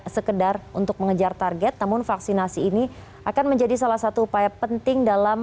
sekedar untuk mengejar target namun vaksinasi ini akan menjadi salah satu upaya penting dalam